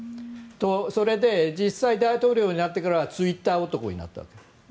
それで実際、大統領になってからはツイッター男になったわけです。